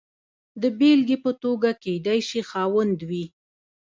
د بېلګې په توګه کېدای شي خاوند وي.